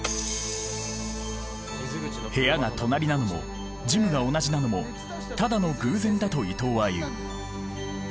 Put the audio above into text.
部屋が隣なのもジムが同じなのもただの偶然だと伊藤は言う。